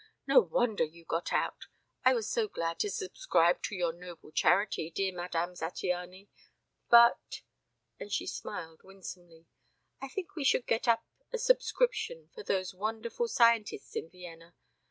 "No wonder you got out. I was so glad to subscribe to your noble charity, dear Madame Zattiany. But" and she smiled winsomely "I think we should get up a subscription for those wonderful scientists in Vienna.